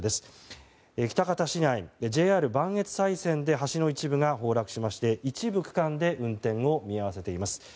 喜多方市内、ＪＲ磐越西線で橋の一部が崩落しまして一部区間で運転を見合わせています。